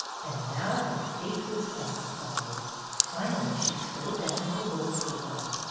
And now her faith was justified. Finally she stole down to the little circle.